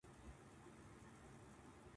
秋は栗が美味しい